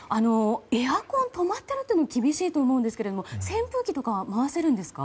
エアコンが止まっているのは厳しいと思うんですが扇風機とかは回せるんですか？